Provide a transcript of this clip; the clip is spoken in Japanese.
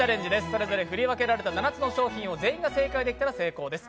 それぞれ振り分けられた７つの商品を全員が正解できたら成功です。